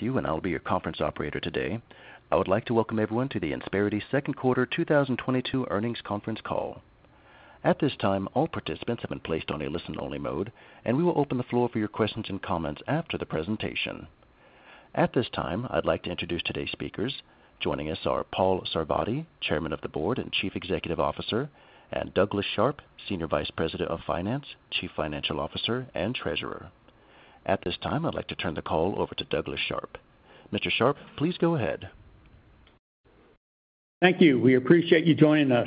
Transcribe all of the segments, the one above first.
I'll be your conference operator today. I would like to welcome everyone to the Insperity second quarter 2022 earnings conference call. At this time, all participants have been placed on a listen-only mode, and we will open the floor for your questions and comments after the presentation. At this time, I'd like to introduce today's speakers. Joining us are Paul Sarvadi, Chairman of the Board and Chief Executive Officer, and Douglas Sharp, Senior Vice President of Finance, Chief Financial Officer, and Treasurer. At this time, I'd like to turn the call over to Douglas Sharp. Mr. Sharp, please go ahead. Thank you. We appreciate you joining us.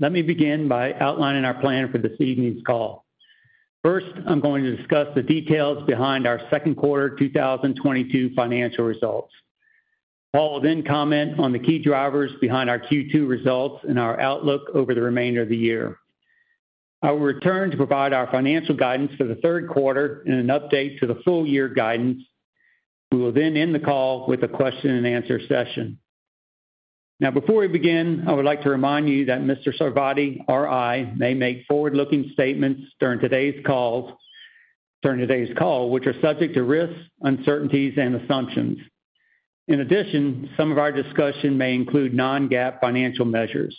Let me begin by outlining our plan for this evening's call. First, I'm going to discuss the details behind our second quarter 2022 financial results. Paul will then comment on the key drivers behind our Q2 results and our outlook over the remainder of the year. I will return to provide our financial guidance for the third quarter and an update to the full-year guidance. We will then end the call with a question and answer session. Now, before we begin, I would like to remind you that Mr. Sarvadi or I may make forward-looking statements during today's call, which are subject to risks, uncertainties and assumptions. In addition, some of our discussion may include non-GAAP financial measures.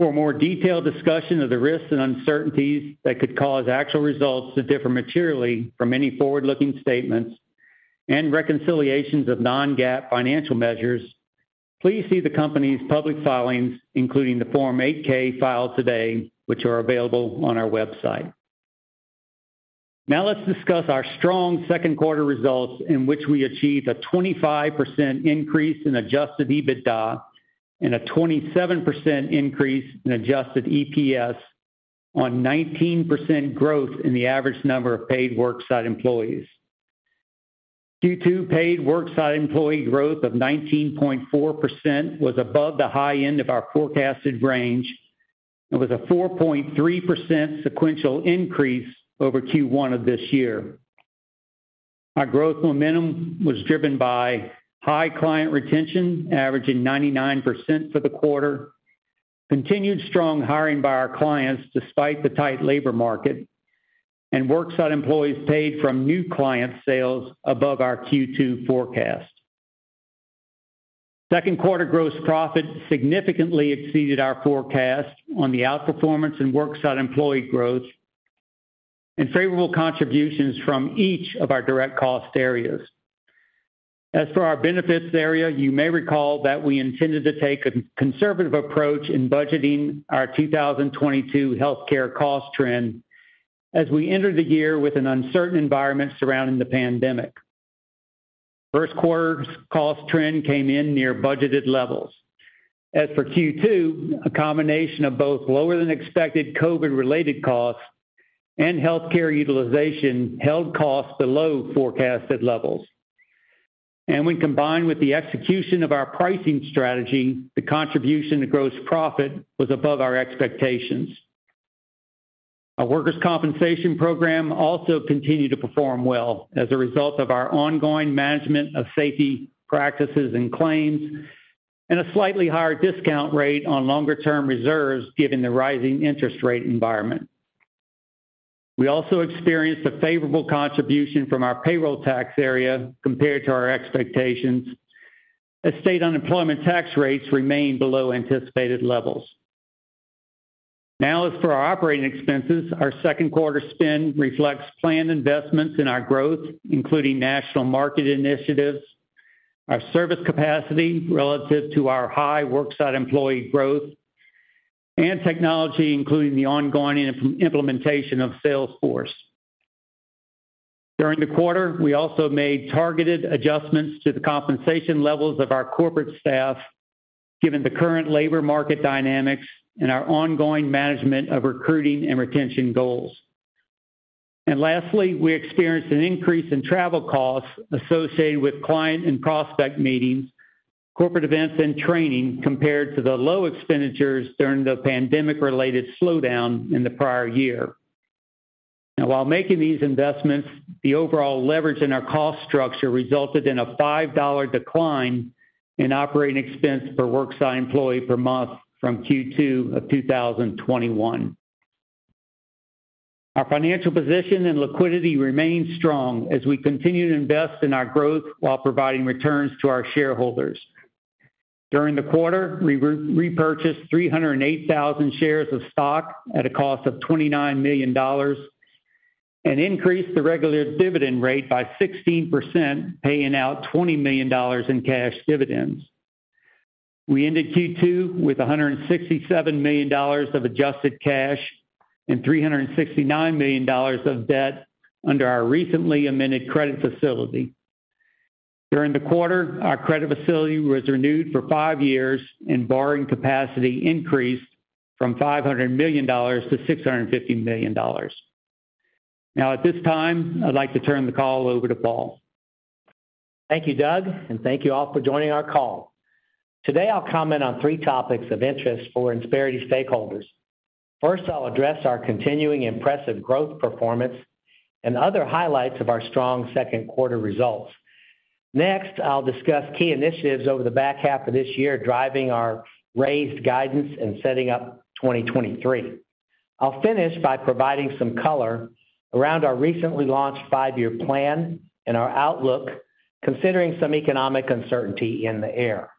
For a more detailed discussion of the risks and uncertainties that could cause actual results to differ materially from any forward-looking statements and reconciliations of non-GAAP financial measures, please see the company's public filings, including the Form 8-K filed today, which are available on our website. Now let's discuss our strong second quarter results in which we achieved a 25% increase in adjusted EBITDA and a 27% increase in adjusted EPS on 19% growth in the average number of paid worksite employees. Q2 paid worksite employee growth of 19.4% was above the high end of our forecasted range and was a 4.3% sequential increase over Q1 of this year. Our growth momentum was driven by high client retention, averaging 99% for the quarter, continued strong hiring by our clients despite the tight labor market, and worksite employees paid from new client sales above our Q2 forecast. Second quarter gross profit significantly exceeded our forecast on the outperformance in worksite employee growth and favorable contributions from each of our direct cost areas. As for our benefits area, you may recall that we intended to take a conservative approach in budgeting our 2022 healthcare cost trend as we entered the year with an uncertain environment surrounding the pandemic. First quarter's cost trend came in near budgeted levels. As for Q2, a combination of both lower-than-expected COVID-related costs and healthcare utilization held costs below forecasted levels. When combined with the execution of our pricing strategy, the contribution to gross profit was above our expectations. Our workers' compensation program also continued to perform well as a result of our ongoing management of safety practices and claims and a slightly higher discount rate on longer-term reserves given the rising interest rate environment. We also experienced a favorable contribution from our payroll tax area compared to our expectations as state unemployment tax rates remained below anticipated levels. Now, as for our operating expenses, our second quarter spend reflects planned investments in our growth, including national market initiatives, our service capacity relative to our high worksite employee growth, and technology, including the ongoing implementation of Salesforce. During the quarter, we also made targeted adjustments to the compensation levels of our corporate staff given the current labor market dynamics and our ongoing management of recruiting and retention goals. Lastly, we experienced an increase in travel costs associated with client and prospect meetings, corporate events, and training compared to the low expenditures during the pandemic-related slowdown in the prior year. Now, while making these investments, the overall leverage in our cost structure resulted in a $5 decline in operating expense per worksite employee per month from Q2 of 2021. Our financial position and liquidity remain strong as we continue to invest in our growth while providing returns to our shareholders. During the quarter, we repurchased 308,000 shares of stock at a cost of $29 million and increased the regular dividend rate by 16%, paying out $20 million in cash dividends. We ended Q2 with $167 million of adjusted cash and $369 million of debt under our recently amended credit facility. During the quarter, our credit facility was renewed for five years, and borrowing capacity increased from $500 million to $650 million. Now, at this time, I'd like to turn the call over to Paul. Thank you, Doug, and thank you all for joining our call. Today, I'll comment on three topics of interest for Insperity stakeholders. First, I'll address our continuing impressive growth performance and other highlights of our strong second quarter results. Next, I'll discuss key initiatives over the back half of this year, driving our raised guidance and setting up 2023. I'll finish by providing some color around our recently launched five-year plan and our outlook, considering some economic uncertainty in the air.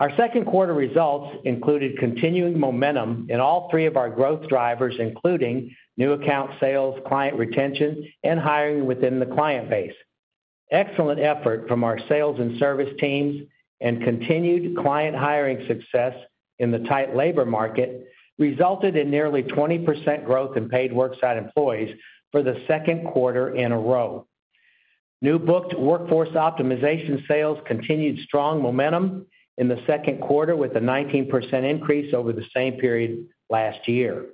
Our second quarter results included continuing momentum in all three of our growth drivers, including new account sales, client retention, and hiring within the client base. Excellent effort from our sales and service teams and continued client hiring success in the tight labor market resulted in nearly 20% growth in paid worksite employees for the second quarter in a row. New booked Workforce Optimization sales continued strong momentum in the second quarter, with a 19% increase over the same period last year.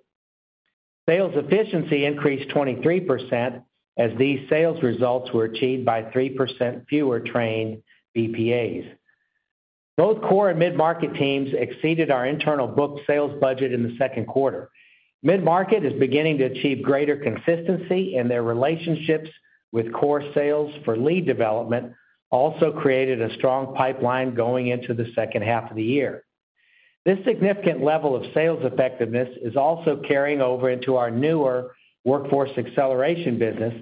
Sales efficiency increased 23% as these sales results were achieved by 3% fewer trained BPAs. Both core and mid-market teams exceeded our internal booked sales budget in the second quarter. Mid-market is beginning to achieve greater consistency, and their relationships with core sales for lead development also created a strong pipeline going into the second half of the year. This significant level of sales effectiveness is also carrying over into our newer Workforce Acceleration business,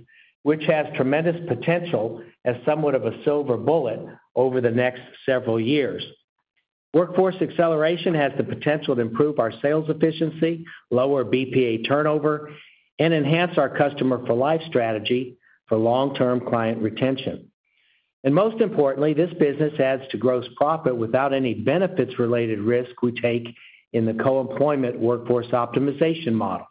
which has tremendous potential as somewhat of a silver bullet over the next several years. Workforce Acceleration has the potential to improve our sales efficiency, lower BPA turnover, and enhance our Customer for Life strategy for long-term client retention. Most importantly, this business adds to gross profit without any benefits-related risk we take in the co-employment Workforce Optimization model.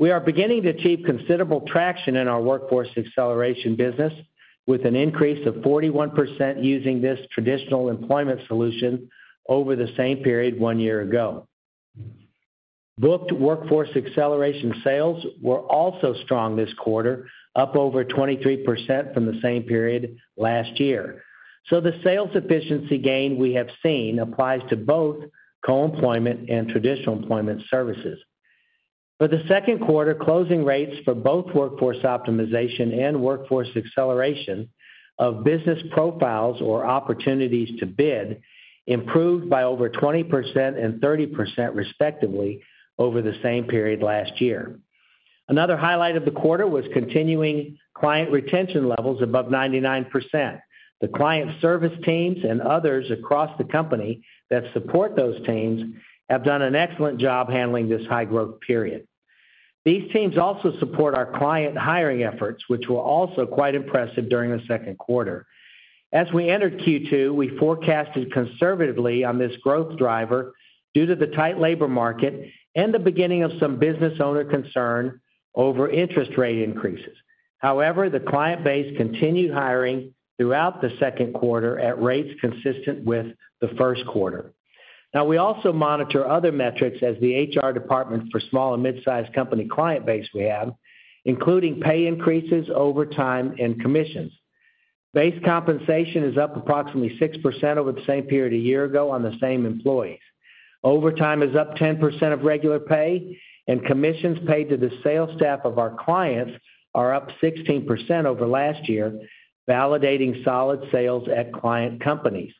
We are beginning to achieve considerable traction in our Workforce Acceleration business with an increase of 41% using this traditional employment solution over the same period one year ago. Booked Workforce Acceleration sales were also strong this quarter, up over 23% from the same period last year. The sales efficiency gain we have seen applies to both co-employment and traditional employment services. For the second quarter, closing rates for both Workforce Optimization and Workforce Acceleration of business profiles or opportunities to bid improved by over 20% and 30% respectively over the same period last year. Another highlight of the quarter was continuing client retention levels above 99%. The client service teams and others across the company that support those teams have done an excellent job handling this high-growth period. These teams also support our client hiring efforts, which were also quite impressive during the second quarter. As we entered Q2, we forecasted conservatively on this growth driver due to the tight labor market and the beginning of some business owner concern over interest rate increases. However, the client base continued hiring throughout the second quarter at rates consistent with the first quarter. Now, we also monitor other metrics as the HR department for small and mid-sized company client base we have, including pay increases over time and commissions. Base compensation is up approximately 6% over the same period a year ago on the same employees. Overtime is up 10% of regular pay, and commissions paid to the sales staff of our clients are up 16% over last year, validating solid sales at client companies.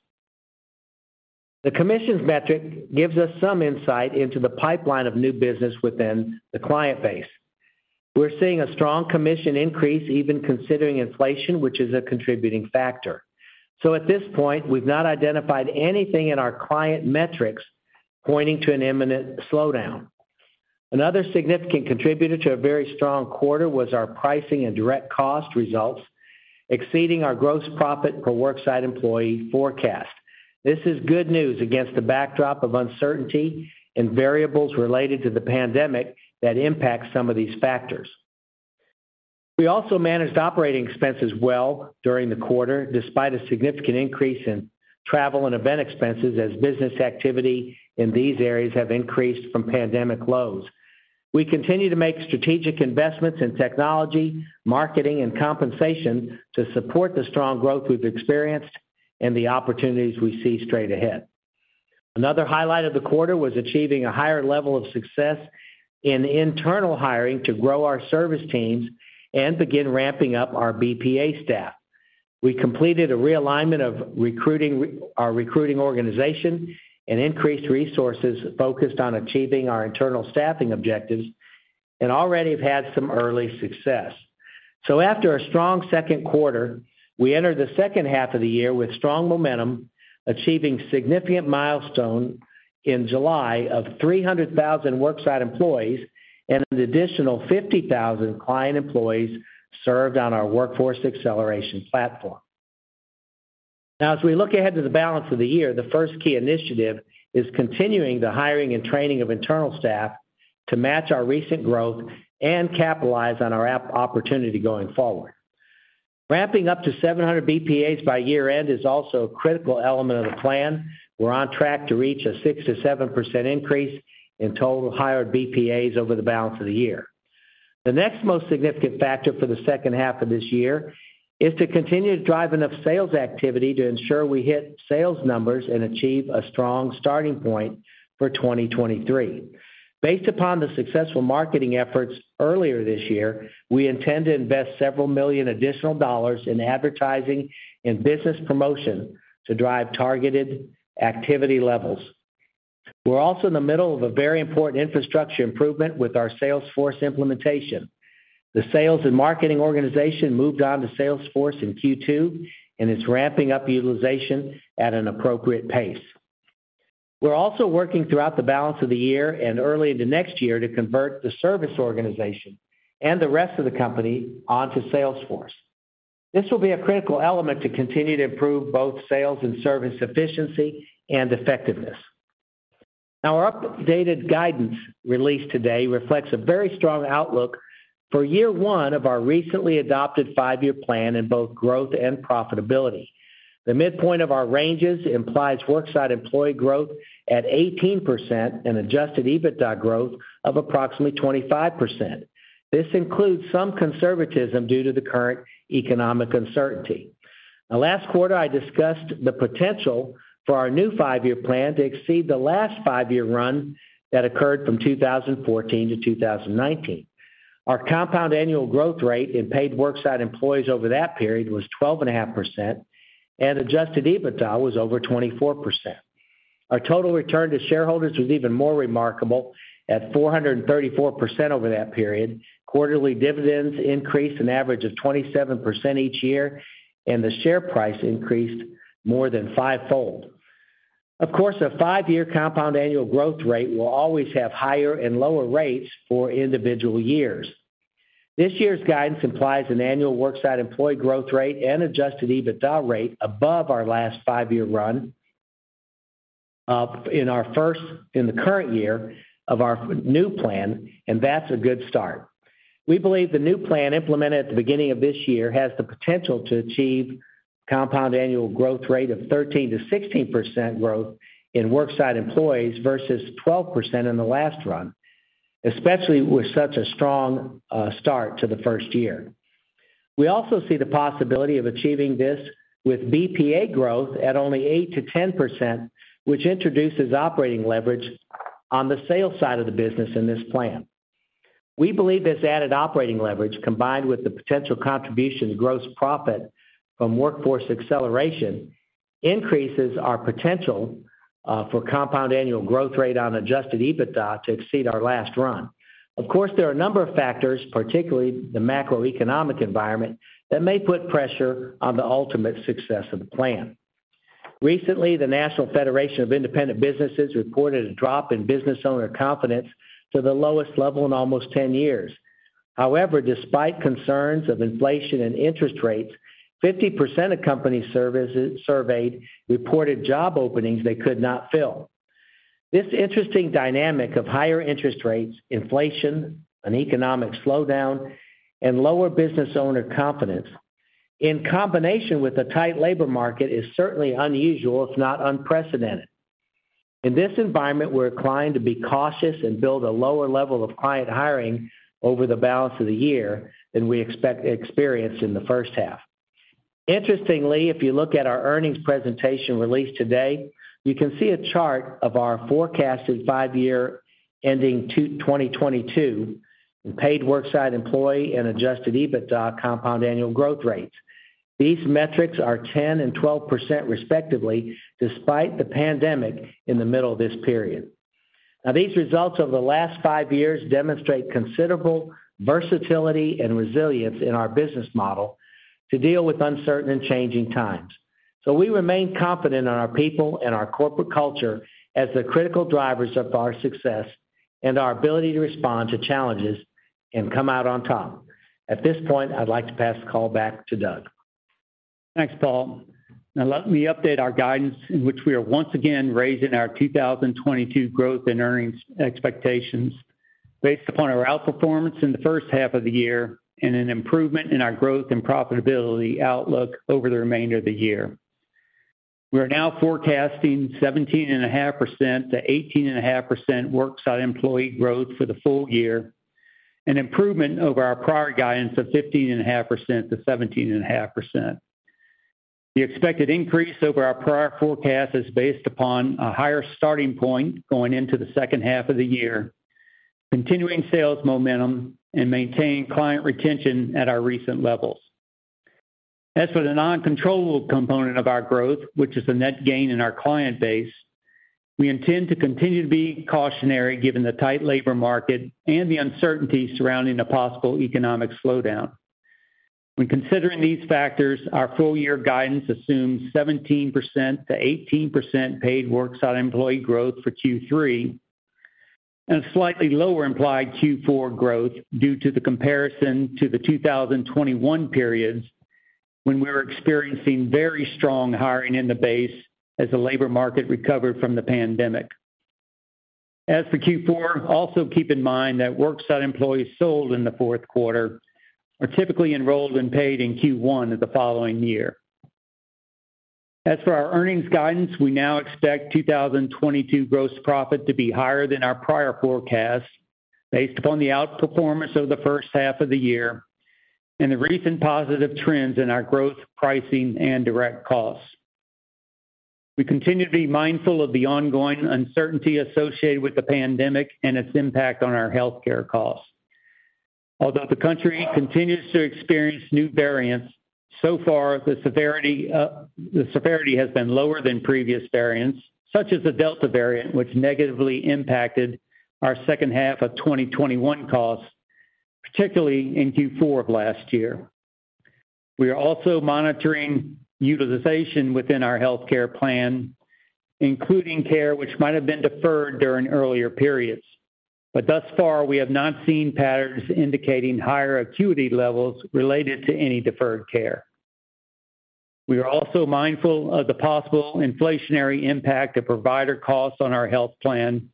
The commissions metric gives us some insight into the pipeline of new business within the client base. We're seeing a strong commission increase even considering inflation, which is a contributing factor. At this point, we've not identified anything in our client metrics pointing to an imminent slowdown. Another significant contributor to a very strong quarter was our pricing and direct cost results exceeding our gross profit per worksite employee forecast. This is good news against the backdrop of uncertainty and variables related to the pandemic that impact some of these factors. We also managed operating expenses well during the quarter, despite a significant increase in travel and event expenses as business activity in these areas have increased from pandemic lows. We continue to make strategic investments in technology, marketing, and compensation to support the strong growth we've experienced and the opportunities we see straight ahead. Another highlight of the quarter was achieving a higher level of success in internal hiring to grow our service teams and begin ramping up our BPA staff. We completed a realignment of our recruiting organization and increased resources focused on achieving our internal staffing objectives and already have had some early success. After a strong second quarter, we entered the second half of the year with strong momentum, achieving significant milestone in July of 300,000 worksite employees and an additional 50,000 client employees served on our Workforce Acceleration platform. Now, as we look ahead to the balance of the year, the first key initiative is continuing the hiring and training of internal staff to match our recent growth and capitalize on our app opportunity going forward. Ramping up to 700 BPAs by year-end is also a critical element of the plan. We're on track to reach a 6%-7% increase in total hired BPAs over the balance of the year. The next most significant factor for the second half of this year is to continue to drive enough sales activity to ensure we hit sales numbers and achieve a strong starting point for 2023. Based upon the successful marketing efforts earlier this year, we intend to invest several million additional dollars in advertising and business promotion to drive targeted activity levels. We're also in the middle of a very important infrastructure improvement with our Salesforce implementation. The sales and marketing organization moved on to Salesforce in Q2, and it's ramping up utilization at an appropriate pace. We're also working throughout the balance of the year and early into next year to convert the service organization and the rest of the company onto Salesforce. This will be a critical element to continue to improve both sales and service efficiency and effectiveness. Now, our updated guidance released today reflects a very strong outlook for year one of our recently adopted five-year plan in both growth and profitability. The midpoint of our ranges implies worksite employee growth at 18% and adjusted EBITDA growth of approximately 25%. This includes some conservatism due to the current economic uncertainty. Now, last quarter, I discussed the potential for our new five-year plan to exceed the last five-year run that occurred from 2014 to 2019. Our compound annual growth rate in paid worksite employees over that period was 12.5%, and adjusted EBITDA was over 24%. Our total return to shareholders was even more remarkable at 434% over that period. Quarterly dividends increased an average of 27% each year, and the share price increased more than five-fold. Of course, a five-year compound annual growth rate will always have higher and lower rates for individual years. This year's guidance implies an annual worksite employee growth rate and adjusted EBITDA rate above our last five-year run, in the current year of our new plan, and that's a good start. We believe the new plan implemented at the beginning of this year has the potential to achieve compound annual growth rate of 13%-16% growth in worksite employees versus 12% in the last run, especially with such a strong start to the first year. We also see the possibility of achieving this with BPA growth at only 8%-10%, which introduces operating leverage on the sales side of the business in this plan. We believe this added operating leverage, combined with the potential contribution to gross profit from Workforce Acceleration, increases our potential for compound annual growth rate on adjusted EBITDA to exceed our last run. Of course, there are a number of factors, particularly the macroeconomic environment, that may put pressure on the ultimate success of the plan. Recently, the National Federation of Independent Business reported a drop in business owner confidence to the lowest level in almost 10 years. However, despite concerns of inflation and interest rates, 50% of companies surveyed reported job openings they could not fill. This interesting dynamic of higher interest rates, inflation, an economic slowdown, and lower business owner confidence in combination with a tight labor market is certainly unusual, if not unprecedented. In this environment, we're inclined to be cautious and build a lower level of client hiring over the balance of the year than we expect to experience in the first half. Interestingly, if you look at our earnings presentation released today, you can see a chart of our forecasted five-year ending 2022 in paid worksite employee and adjusted EBITDA compound annual growth rates. These metrics are 10% and 12% respectively, despite the pandemic in the middle of this period. Now these results over the last five years demonstrate considerable versatility and resilience in our business model to deal with uncertain and changing times. We remain confident in our people and our corporate culture as the critical drivers of our success and our ability to respond to challenges and come out on top. At this point, I'd like to pass the call back to Doug. Thanks, Paul. Now let me update our guidance in which we are once again raising our 2022 growth and earnings expectations based upon our outperformance in the first half of the year and an improvement in our growth and profitability outlook over the remainder of the year. We are now forecasting 17.5%-18.5% worksite employee growth for the full year, an improvement over our prior guidance of 15.5%-17.5%. The expected increase over our prior forecast is based upon a higher starting point going into the second half of the year, continuing sales momentum, and maintaining client retention at our recent levels. As for the non-controllable component of our growth, which is the net gain in our client base, we intend to continue to be cautionary given the tight labor market and the uncertainty surrounding a possible economic slowdown. When considering these factors, our full-year guidance assumes 17%-18% paid worksite employee growth for Q3, and a slightly lower implied Q4 growth due to the comparison to the 2021 periods when we were experiencing very strong hiring in the base as the labor market recovered from the pandemic. As for Q4, also keep in mind that worksite employees sold in the fourth quarter are typically enrolled and paid in Q1 of the following year. As for our earnings guidance, we now expect 2022 gross profit to be higher than our prior forecast based upon the outperformance of the first half of the year and the recent positive trends in our growth, pricing, and direct costs. We continue to be mindful of the ongoing uncertainty associated with the pandemic and its impact on our healthcare costs. Although the country continues to experience new variants, so far the severity has been lower than previous variants, such as the Delta variant, which negatively impacted our second half of 2021 costs, particularly in Q4 of last year. We are also monitoring utilization within our healthcare plan, including care which might have been deferred during earlier periods. Thus far, we have not seen patterns indicating higher acuity levels related to any deferred care. We are also mindful of the possible inflationary impact of provider costs on our health plan,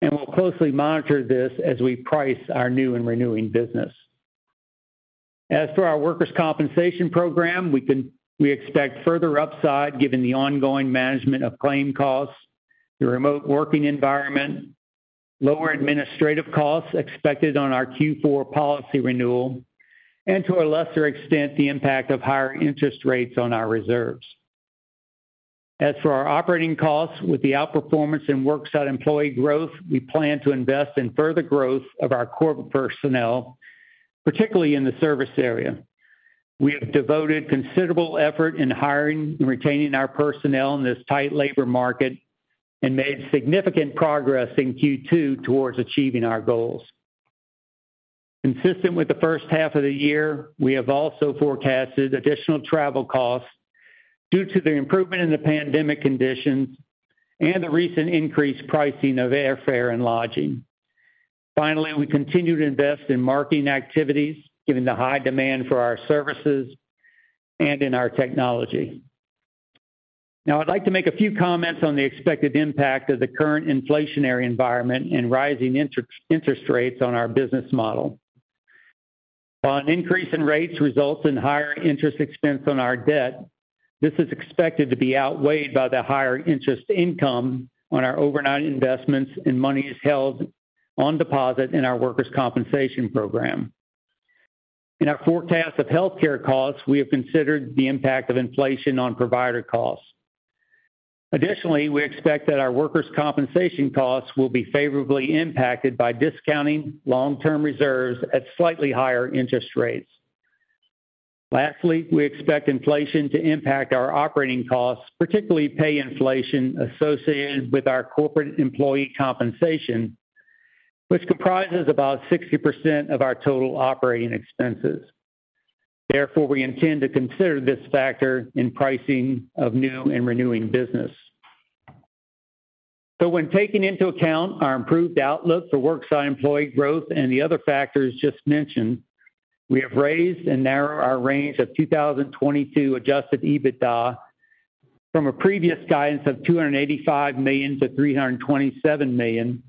and we'll closely monitor this as we price our new and renewing business. As for our workers' compensation program, we expect further upside given the ongoing management of claim costs, the remote working environment, lower administrative costs expected on our Q4 policy renewal, and to a lesser extent, the impact of higher interest rates on our reserves. As for our operating costs, with the outperformance in worksite employee growth, we plan to invest in further growth of our core personnel, particularly in the service area. We have devoted considerable effort in hiring and retaining our personnel in this tight labor market and made significant progress in Q2 towards achieving our goals. Consistent with the first half of the year, we have also forecasted additional travel costs due to the improvement in the pandemic conditions and the recent increased pricing of airfare and lodging. Finally, we continue to invest in marketing activities given the high demand for our services and in our technology. Now I'd like to make a few comments on the expected impact of the current inflationary environment and rising interest rates on our business model. While an increase in rates results in higher interest expense on our debt, this is expected to be outweighed by the higher interest income on our overnight investments and monies held on deposit in our workers' compensation program. In our forecast of healthcare costs, we have considered the impact of inflation on provider costs. Additionally, we expect that our workers' compensation costs will be favorably impacted by discounting long-term reserves at slightly higher interest rates. Lastly, we expect inflation to impact our operating costs, particularly pay inflation associated with our corporate employee compensation, which comprises about 60% of our total operating expenses. Therefore, we intend to consider this factor in pricing of new and renewing business. When taking into account our improved outlook for worksite employee growth and the other factors just mentioned, we have raised and narrowed our range of 2022 adjusted EBITDA from a previous guidance of $285 million-$327 million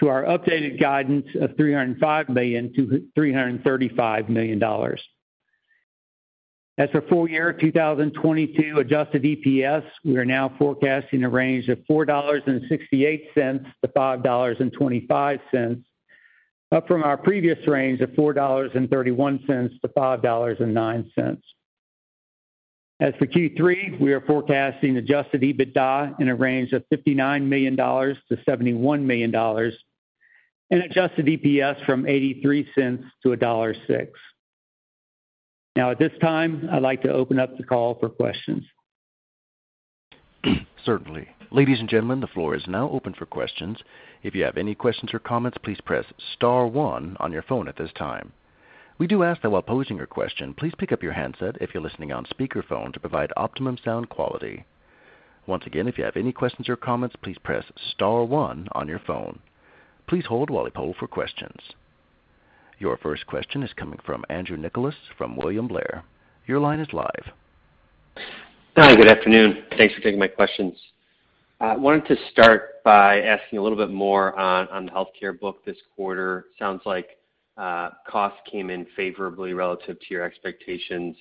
to our updated guidance of $305 million-$335 million. As for full-year 2022 adjusted EPS, we are now forecasting a range of $4.68-$5.25, up from our previous range of $4.31-$5.09. As for Q3, we are forecasting adjusted EBITDA in a range of $59 million-$71 million and adjusted EPS from $0.83-$1.06. Now at this time, I'd like to open up the call for questions. Certainly. Ladies and gentlemen, the floor is now open for questions. If you have any questions or comments, please press star one on your phone at this time. We do ask that while posing your question, please pick up your handset if you're listening on speakerphone to provide optimum sound quality. Once again, if you have any questions or comments, please press star one on your phone. Please hold while we poll for questions. Your first question is coming from Andrew Nicholas from William Blair. Your line is live. Hi, good afternoon. Thanks for taking my questions. I wanted to start by asking a little bit more on the healthcare book this quarter. Sounds like costs came in favorably relative to your expectations.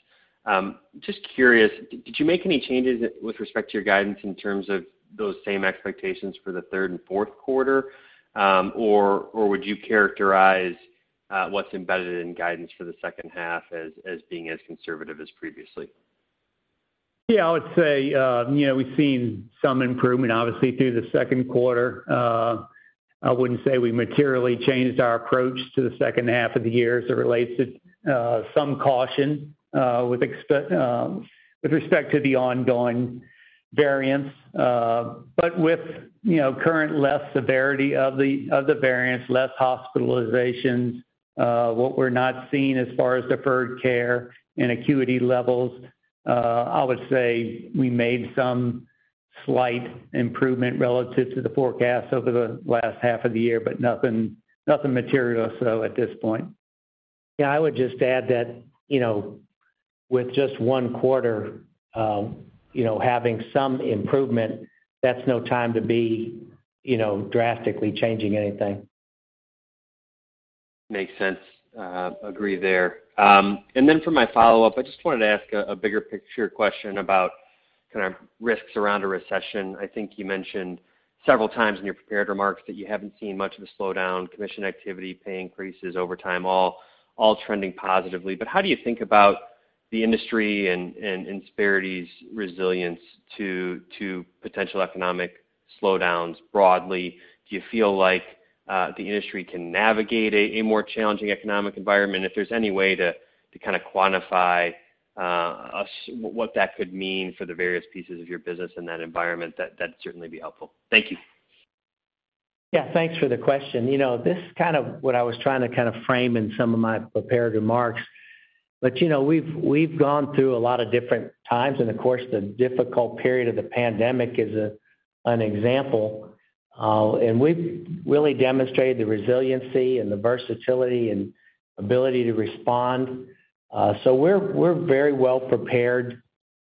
Just curious, did you make any changes with respect to your guidance in terms of those same expectations for the third and fourth quarter, or would you characterize what's embedded in guidance for the second half as being as conservative as previously? Yeah, I would say, you know, we've seen some improvement, obviously, through the second quarter. I wouldn't say we materially changed our approach to the second half of the year as it relates to some caution with respect to the ongoing variants. With, you know, current less severity of the variants, less hospitalizations, what we're not seeing as far as deferred care and acuity levels, I would say we made some slight improvement relative to the forecast over the last half of the year, but nothing material so at this point. Yeah, I would just add that, you know, with just one quarter, you know, having some improvement, that's no time to be, you know, drastically changing anything. Makes sense. Agree there. For my follow-up, I just wanted to ask a bigger-picture question about kind of risks around a recession. I think you mentioned several times in your prepared remarks that you haven't seen much of a slowdown, commission activity, pay increases, overtime, all trending positively. How do you think about the industry and Insperity's resilience to potential economic slowdowns broadly? Do you feel like the industry can navigate a more challenging economic environment? If there's any way to kind of quantify what that could mean for the various pieces of your business in that environment, that'd certainly be helpful. Thank you. Yeah, thanks for the question. You know, this is kind of what I was trying to kind of frame in some of my prepared remarks. You know, we've gone through a lot of different times, and of course, the difficult period of the pandemic is an example. We've really demonstrated the resiliency and the versatility and ability to respond. We're very well prepared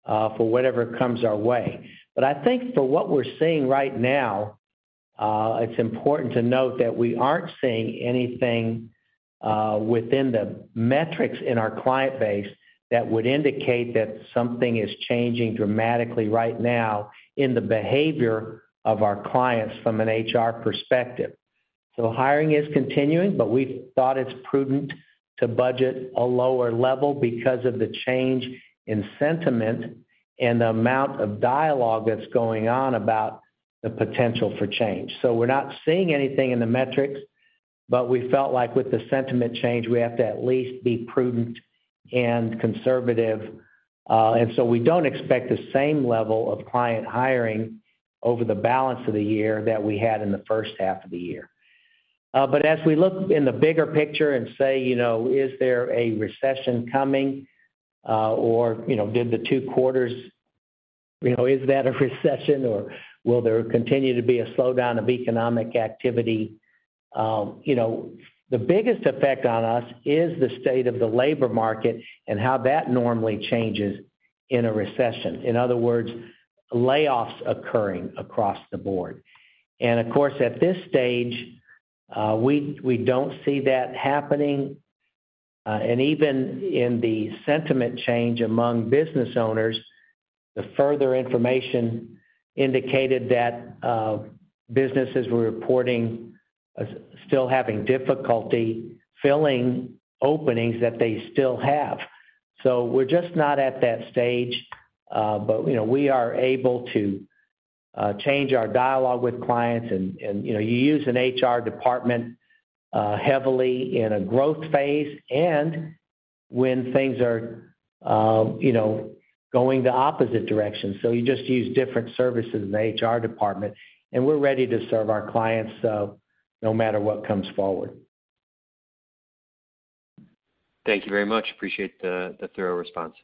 for whatever comes our way. I think for what we're seeing right now, it's important to note that we aren't seeing anything within the metrics in our client base that would indicate that something is changing dramatically right now in the behavior of our clients from an HR perspective. Hiring is continuing, but we thought it's prudent to budget a lower level because of the change in sentiment and the amount of dialogue that's going on about the potential for change. We're not seeing anything in the metrics, but we felt like with the sentiment change, we have to at least be prudent and conservative. We don't expect the same level of client hiring over the balance of the year that we had in the first half of the year. As we look in the bigger picture and say, you know, "Is there a recession coming?" or, you know, did the two quarters? You know, is that a recession, or will there continue to be a slowdown of economic activity? You know, the biggest effect on us is the state of the labor market and how that normally changes in a recession. In other words, layoffs occurring across the board. Of course, at this stage, we don't see that happening. Even in the sentiment change among business owners, the further information indicated that businesses were reporting, still having difficulty filling openings that they still have. We're just not at that stage, but, you know, we are able to change our dialogue with clients and, you know, you use an HR department heavily in a growth phase and when things are, you know, going the opposite direction. You just use different services in the HR department, and we're ready to serve our clients, no matter what comes forward. Thank you very much. Appreciate the thorough response.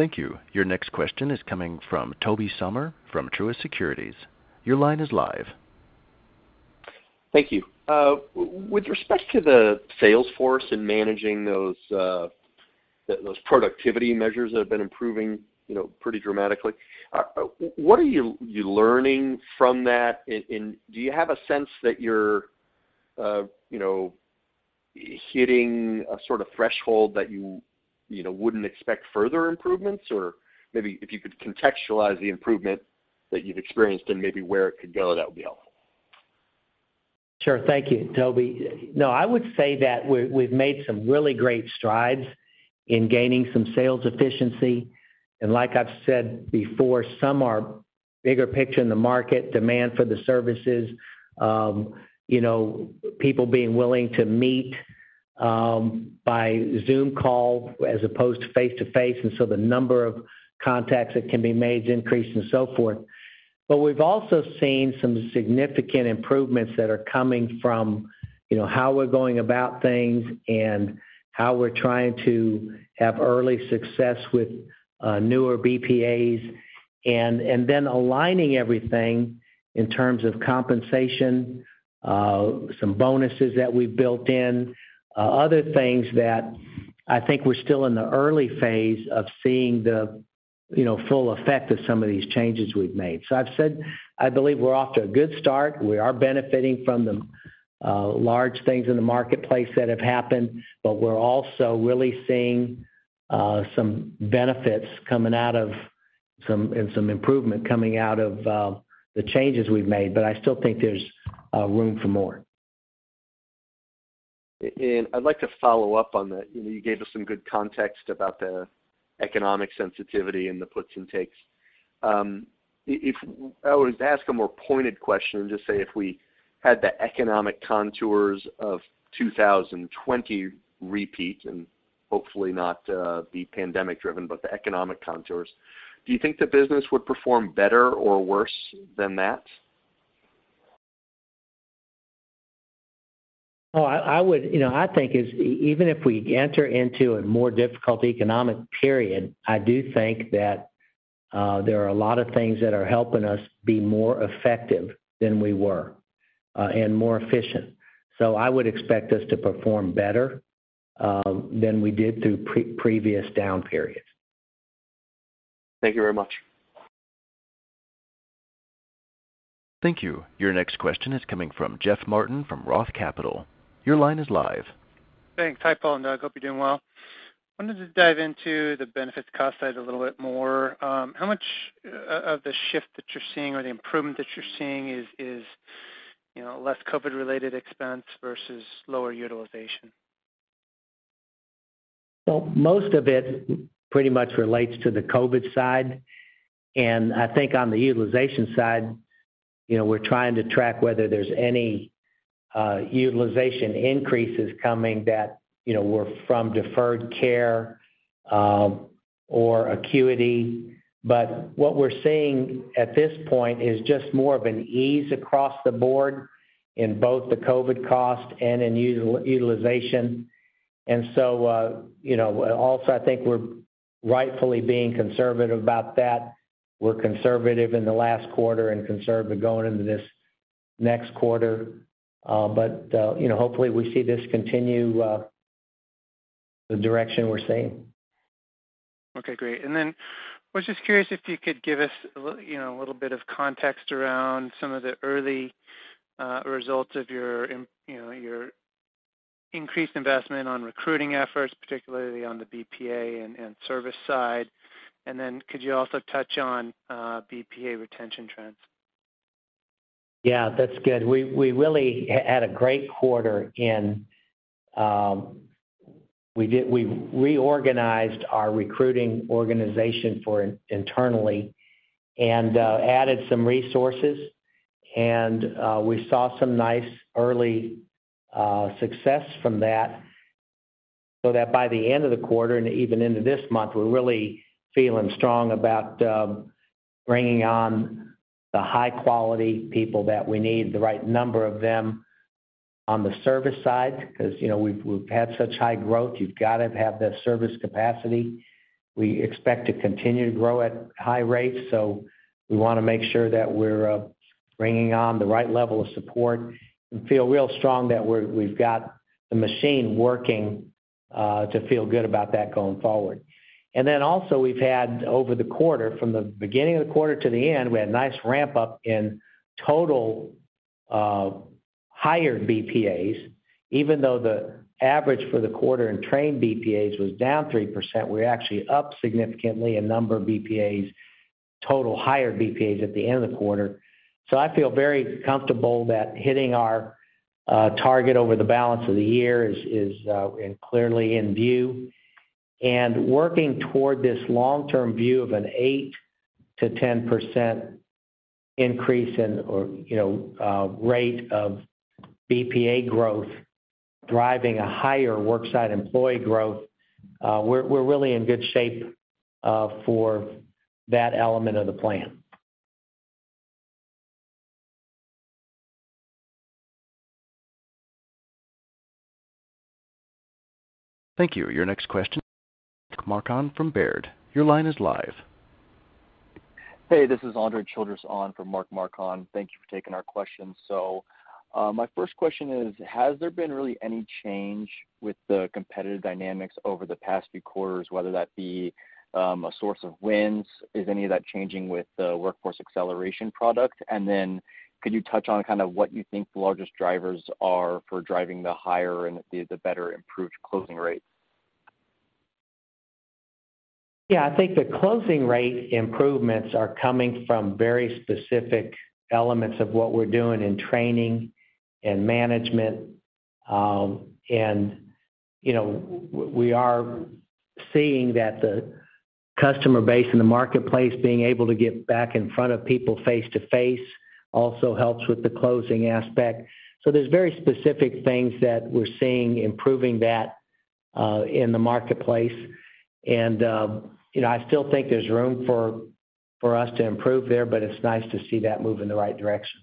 Thank you. Your next question is coming from Tobey Sommer from Truist Securities. Your line is live. Thank you. With respect to the sales force and managing those productivity measures that have been improving, you know, pretty dramatically, what are you learning from that? Do you have a sense that you're you know hitting a sort of threshold that you know wouldn't expect further improvements? Or maybe if you could contextualize the improvement that you've experienced and maybe where it could go, that would be helpful. Sure. Thank you, Tobey. No, I would say that we've made some really great strides in gaining some sales efficiency. Like I've said before, some are bigger picture in the market, demand for the services, you know, people being willing to meet by Zoom call as opposed to face-to-face, and so the number of contacts that can be made increase and so forth. But we've also seen some significant improvements that are coming from, you know, how we're going about things and how we're trying to have early success with newer BPAs. Aligning everything in terms of compensation, some bonuses that we've built in, other things that I think we're still in the early phase of seeing the, you know, full effect of some of these changes we've made. I've said I believe we're off to a good start. We are benefiting from the large things in the marketplace that have happened, but we're also really seeing some benefits coming out of some, and some improvement coming out of the changes we've made. But I still think there's room for more. I'd like to follow up on that. You know, you gave us some good context about the economic sensitivity and the puts and takes. If I were to ask a more pointed question and just say if we had the economic contours of 2020 repeat, and hopefully not, be pandemic driven, but the economic contours, do you think the business would perform better or worse than that? You know, I think it is even if we enter into a more difficult economic period. I do think that there are a lot of things that are helping us be more effective than we were and more efficient. I would expect us to perform better than we did through previous down periods. Thank you very much. Thank you. Your next question is coming from Jeff Martin from ROTH Capital. Your line is live. Thanks. Hi, Paul and Doug. Hope you're doing well. Wanted to dive into the benefits cost side a little bit more. How much of the shift that you're seeing or the improvement that you're seeing is You know, less COVID-related expense versus lower utilization. Well, most of it pretty much relates to the COVID side. I think on the utilization side, you know, we're trying to track whether there's any utilization increases coming that, you know, were from deferred care, or acuity. What we're seeing at this point is just more of an ease across the board in both the COVID cost and in utilization. You know, also I think we're rightfully being conservative about that. We're conservative in the last quarter and conservative going into this next quarter. You know, hopefully we see this continue, the direction we're seeing. Okay, great. I was just curious if you could give us a little bit of context around some of the early results of your increased investment on recruiting efforts, particularly on the BPA and service side. Could you also touch on BPA retention trends? Yeah, that's good. We really had a great quarter. We reorganized our recruiting organization internally and added some resources. We saw some nice early success from that, so that by the end of the quarter and even into this month, we're really feeling strong about bringing on the high quality people that we need, the right number of them on the service side. 'Cause, you know, we've had such high growth, you've gotta have the service capacity. We expect to continue to grow at high rates, so we wanna make sure that we're bringing on the right level of support and feel real strong that we've got the machine working to feel good about that going forward. We've had over the quarter, from the beginning of the quarter to the end, we had nice ramp up in total, hired BPAs, even though the average for the quarter in trained BPAs was down 3%, we're actually up significantly in number of BPAs, total hired BPAs at the end of the quarter. I feel very comfortable that hitting our target over the balance of the year is and clearly in view. Working toward this long-term view of an 8%-10% increase in rate of BPA growth driving a higher worksite employee growth, we're really in good shape for that element of the plan. Thank you. Your next question, Mark Marcon from Baird. Your line is live. Hey, this is Andre Childress on for Mark Marcon. Thank you for taking our question. My first question is, has there been really any change with the competitive dynamics over the past few quarters, whether that be a source of wins? Is any of that changing with the Workforce Acceleration product? Could you touch on kinda what you think the largest drivers are for driving the higher and the better improved closing rate? Yeah. I think the closing rate improvements are coming from very specific elements of what we're doing in training and management. You know, we are seeing that the customer base in the marketplace being able to get back in front of people face-to-face also helps with the closing aspect. There's very specific things that we're seeing improving that in the marketplace. You know, I still think there's room for us to improve there, but it's nice to see that move in the right direction.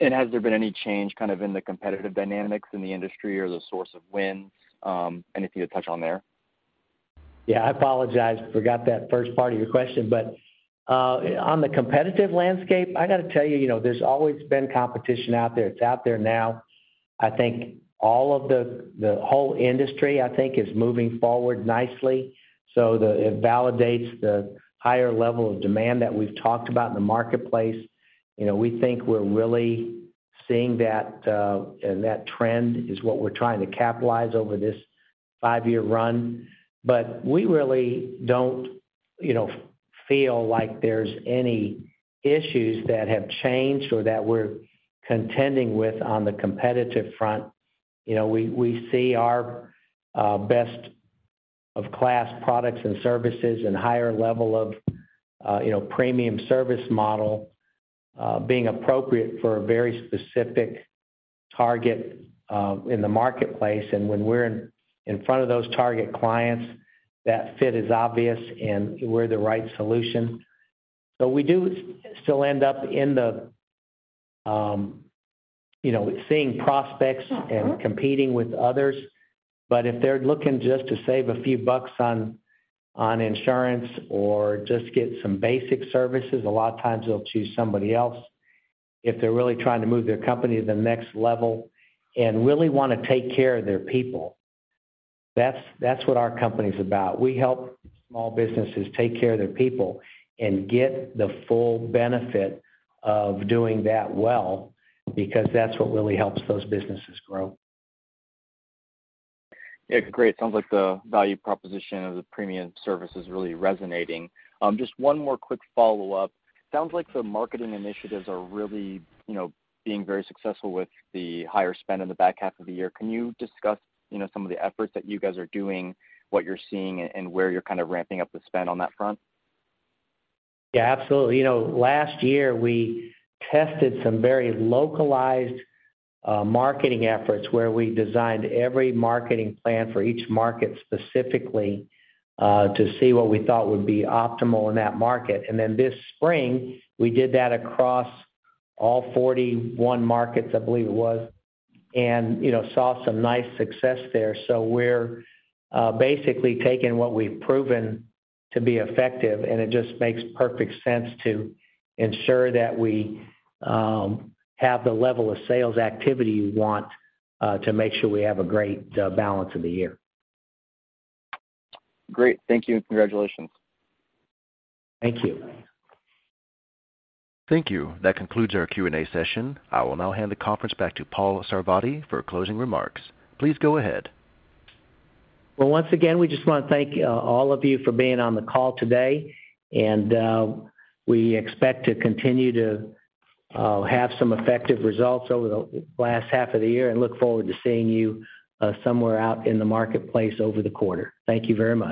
Has there been any change kind of in the competitive dynamics in the industry or the source of wins, anything to touch on there? Yeah, I apologize, forgot that first part of your question. On the competitive landscape, I gotta tell you know, there's always been competition out there. It's out there now. I think all of the whole industry I think is moving forward nicely, so it validates the higher level of demand that we've talked about in the marketplace. You know, we think we're really seeing that, and that trend is what we're trying to capitalize over this five-year run. We really don't, you know, feel like there's any issues that have changed or that we're contending with on the competitive front. You know, we see our best of class products and services and higher level of, you know, premium service model being appropriate for a very specific target in the marketplace. When we're in front of those target clients, that fit is obvious, and we're the right solution. We do still end up in the you know seeing prospects and competing with others. If they're looking just to save a few bucks on insurance or just get some basic services, a lot of times they'll choose somebody else. If they're really trying to move their company to the next level and really wanna take care of their people, that's what our company's about. We help small businesses take care of their people and get the full benefit of doing that well because that's what really helps those businesses grow. Yeah. Great. Sounds like the value proposition of the premium service is really resonating. Just one more quick follow-up. Sounds like the marketing initiatives are really, you know, being very successful with the higher spend in the back half of the year. Can you discuss, you know, some of the efforts that you guys are doing, what you're seeing, and where you're kinda ramping up the spend on that front? Yeah, absolutely. You know, last year, we tested some very localized marketing efforts where we designed every marketing plan for each market specifically to see what we thought would be optimal in that market. Then this spring, we did that across all 41 markets, I believe it was, and, you know, saw some nice success there. We're basically taking what we've proven to be effective, and it just makes perfect sense to ensure that we have the level of sales activity we want to make sure we have a great balance of the year. Great. Thank you, and congratulations. Thank you. Thank you. That concludes our Q&A session. I will now hand the conference back to Paul Sarvadi for closing remarks. Please go ahead. Well, once again, we just wanna thank all of you for being on the call today, and we expect to continue to have some effective results over the last half of the year and look forward to seeing you somewhere out in the marketplace over the quarter. Thank you very much.